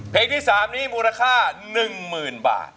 เพลงที่๓นี้มูลค่า๑๐๐๐บาท